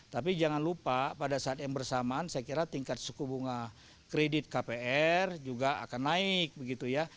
tapi jangan lupa pada saat yang bersamaan saya kira tingkat suku bunga kredit kpr juga akan naik begitu ya